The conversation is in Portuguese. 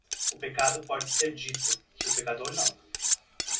O pecado pode ser dito, que o pecador não.